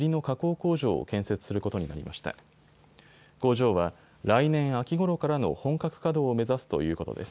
工場は来年秋ごろからの本格稼働を目指すということです。